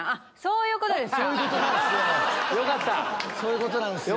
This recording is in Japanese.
そういうことなんすよ。